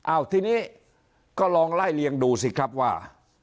ทีนี้ก็ลองไล่เลียงดูสิครับว่า